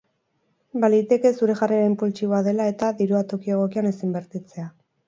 Baliteke zure jarrera inpultsiboa dela eta, dirua toki egokian ez inbertitzea.